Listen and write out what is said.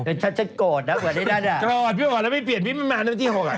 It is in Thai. เขาก็พี่ออนภาษาแล้วไม่เปลี่ยนพี่มันมาตนที่๖อะ